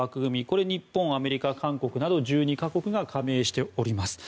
これは日本、アメリカ、韓国など１２か国が加盟しております。